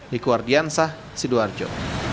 diku ardiansah sidoarjo